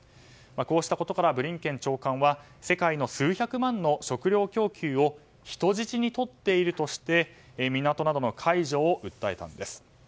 こうしたことからブリンケン長官は世界の数百万の食糧供給を人質に取っているとして港などの解除を訴えたんです。